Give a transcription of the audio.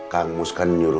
kang mus kan nyuruh